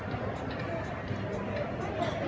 มันเป็นสิ่งที่จะให้ทุกคนรู้สึกว่า